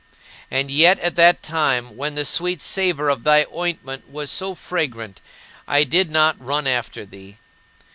And yet at that time, when the sweet savor of thy ointment was so fragrant, I did not run after thee.